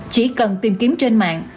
chỉ cần tìm kiếm trên mạng